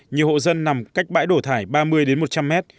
nhiều hộ dân nằm cách bãi đổ thải ba mươi đến một trăm linh mét